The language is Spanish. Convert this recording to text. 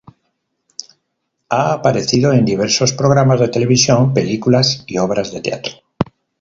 Ha aparecido en diversos programas de televisión, películas y obras de teatro.